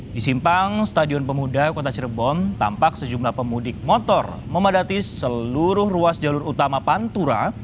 di simpang stadion pemuda kota cirebon tampak sejumlah pemudik motor memadati seluruh ruas jalur utama pantura